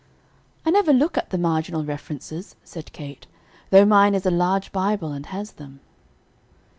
"I never look at the marginal references," said Kate, "though mine is a large Bible and has them."